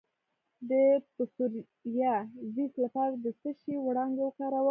د پسوریازیس لپاره د څه شي وړانګې وکاروم؟